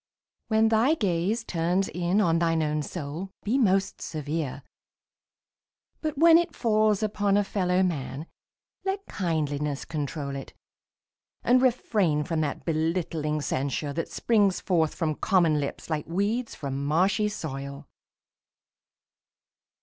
When thy gaze Turns in on thine own soul, be most severe. But when it falls upon a fellow man Let kindliness control it; and refrain From that belittling censure that springs forth From common lips like weeds from marshy soil.